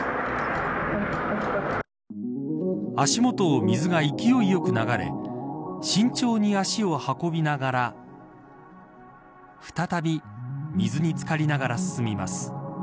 足元を水が勢いよく流れ慎重に足を運びながら再び水に漬かりながら進みます。